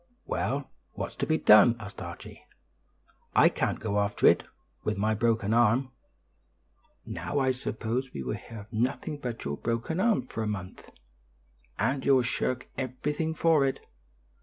"Well, what's to be done?" asked Archie. "I can't go after it, with my broken arm." "Now I suppose we will hear of nothing but your broken arm for a month, and you'll shirk everything for it.